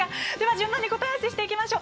順番に答え合わせをしていきましょう。